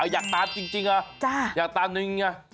อยากตามจริงหรืออยากตามอย่างนี้